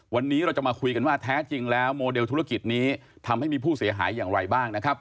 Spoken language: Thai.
วันนี้เราจะมาคุยกันว่าแท้จริงแล้วโมเดลธุรกิจนี้ทำให้มีผู้เสียหายอย่างไรบ้างนะครับ